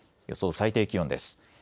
予想最低気温です。